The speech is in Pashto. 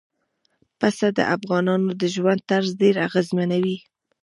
پسه د افغانانو د ژوند طرز ډېر اغېزمنوي.